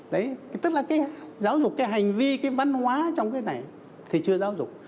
đấy tức là cái giáo dục cái hành vi cái văn hóa trong cái này thì chưa giáo dục